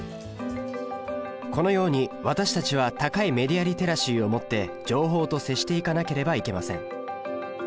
このように私たちは高いメディアリテラシーを持って情報と接していかなければいけません。